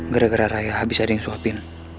gara gara raya habis ada yang suapin